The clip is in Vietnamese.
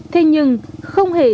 thế nhưng không hề dễ dàng